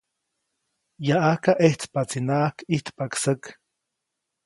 Yaʼajka ʼejtspaʼtsinaʼajk ʼijtpaʼk säk.